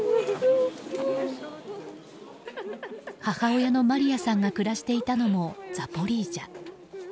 母親のマリアさんが暮らしていたのもザポリージャ。